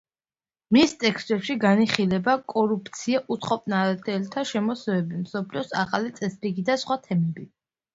მის ტექსტებში განიხილება კორუფცია, უცხოპლანეტელთა შემოსევები, მსოფლიოს ახალი წესრიგი და სხვა თემები.